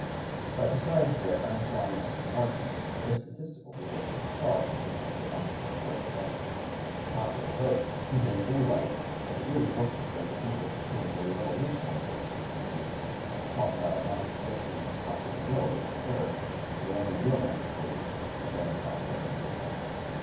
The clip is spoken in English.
But besides their unsoundness in argument, their statistical position was far from being what they undertook to represent it. The popular vote had been so light that it really looked as though the people had cared very little which candidate should succeed; and to talk about a manifestation of the popular will was absurd, for the only real manifestation had been of popular indifference.